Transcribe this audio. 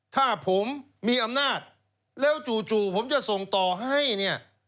ถ้าผมมีอำนาจแล้วจู่ผมจะส่งต่อให้เนี่ย